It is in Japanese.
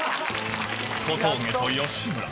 小峠と吉村